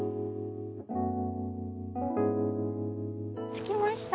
着きました？